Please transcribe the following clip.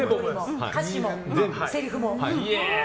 歌詞も、せりふも。